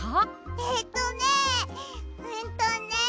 えっとねえんとねえ。